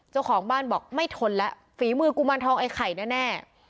เจ้าของบ้านบอกไม่ทนแล้วฝีมือกุมารทองไอ้ไข่แน่